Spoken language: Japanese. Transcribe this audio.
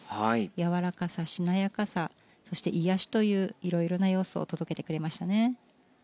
やわらかさ、しなやかさそして癒やしという色々な要素を届けてくれましたね。